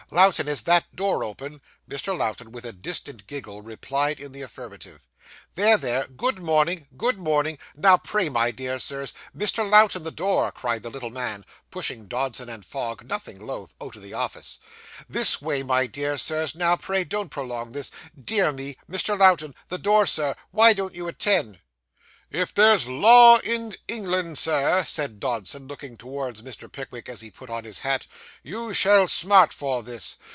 Lowten, is that door open?' Mr. Lowten, with a distant giggle, replied in the affirmative. 'There, there good morning good morning now pray, my dear sirs Mr. Lowten, the door!' cried the little man, pushing Dodson & Fogg, nothing loath, out of the office; 'this way, my dear sirs now pray don't prolong this Dear me Mr. Lowten the door, sir why don't you attend?' 'If there's law in England, sir,' said Dodson, looking towards Mr. Pickwick, as he put on his hat, 'you shall smart for this.